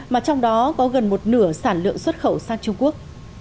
mà trong đó có gần một nửa sản lượng xuất khẩu sang trung quốc